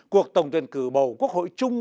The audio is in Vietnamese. cuộc tổng tuyển cử bầu quốc hội chung